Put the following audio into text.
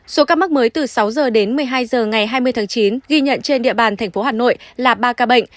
số ca mắc mới từ sáu h đến một mươi hai h ngày hai mươi tháng chín ghi nhận trên địa bàn thành phố hà nội là ba ca bệnh